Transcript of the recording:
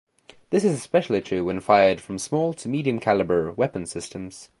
This is especially true when fired from small to medium calibre weapon systems.